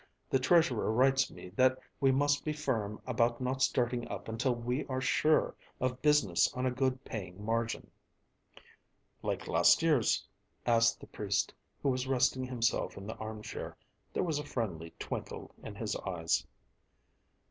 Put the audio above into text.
The treasurer writes me that we must be firm about not starting up until we are sure of business on a good paying margin." "Like last year's?" asked the priest, who was resting himself in the armchair. There was a friendly twinkle in his eyes.